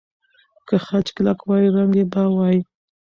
که خج کلک وای، رنګ به وای.